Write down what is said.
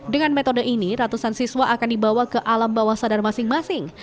dengan metode ini ratusan siswa akan dibawa ke alam bawah sadar masing masing